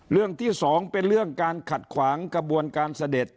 เรื่องที่สองเป็นเรื่องการขัดขวางกระบวนการเสด็จ